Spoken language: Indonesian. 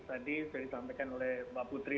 tadi sudah ditampilkan oleh pak putri